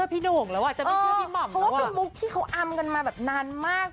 เพราะว่าเป็นบุ๊กที่เขาอำกันมาแบบนานมาก